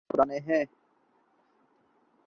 بہت پرانے ہیں۔